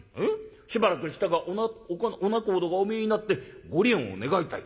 しばらくしたらお仲人がお見えになって『ご離縁を願いたい』。